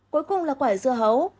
cuối cùng là quả dưa hấu